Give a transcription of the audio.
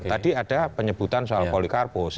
tadi ada penyebutan soal polikarpus